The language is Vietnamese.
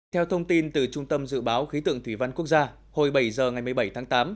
theo thông tin từ trung tâm dự báo khí tượng thủy văn quốc gia hồi bảy giờ ngày một mươi bảy tháng tám